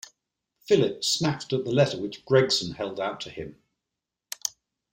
Philip snatched at the letter which Gregson held out to him.